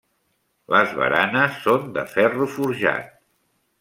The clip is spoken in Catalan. Les baranes són de ferro forjat.